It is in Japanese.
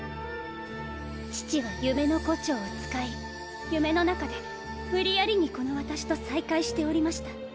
父は夢の胡蝶を使い夢の中で無理矢理にこの私と再会しておりました。